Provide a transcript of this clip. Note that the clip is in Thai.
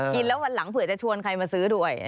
กินแล้ววันหลังเผื่อจะชวนใครมาซื้อด้วย